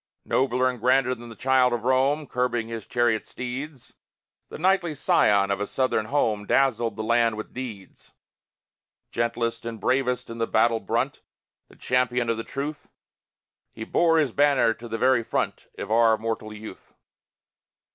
Nobler and grander than the Child of Rome Curbing his chariot steeds, The knightly scion of a Southern home Dazzled the land with deeds. Gentlest and bravest in the battle brunt, The champion of the truth, He bore his banner to the very front Of our immortal youth.